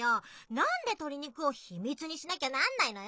なんでとりにくを秘密にしなきゃなんないのよ。